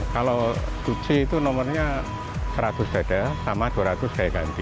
kalau cuci itu nomornya seratus dada sama dua ratus saya ganti